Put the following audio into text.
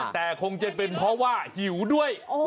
แต่คงจะเป็นเพราะว่าหิวด้วย